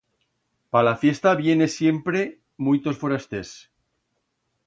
Pa la fiesta viene siempre muitos forasters.